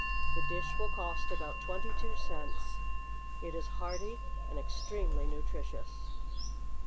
The dish will cost about twenty two cents; it is hearty and extremely nutritious.